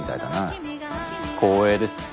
光栄です。